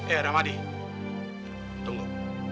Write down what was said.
eh ramadi tunggu